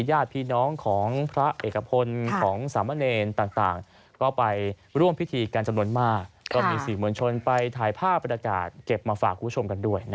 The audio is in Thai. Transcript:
ญาติพี่น้องของพระเอกพลของสามเณรต่าง